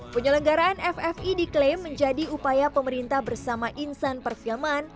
penyelenggaraan ffi diklaim menjadi upaya pemerintah bersama insan perfilman